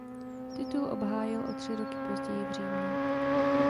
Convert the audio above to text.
Titul obhájil o tři roky později v Římě.